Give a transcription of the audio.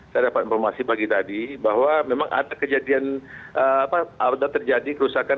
saya dapat informasi pagi tadi bahwa memang ada kejadian terjadi kerusakan